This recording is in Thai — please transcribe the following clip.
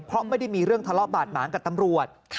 เพราะไม่ได้มีเรื่องทะเลาะบาดหมางกับตำรวจ